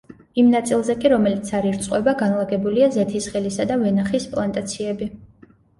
იმ ნაწილზე კი რომელიც არ ირწყვება, განლაგებულია ზეთისხილისა და ვენახის პლანტაციები.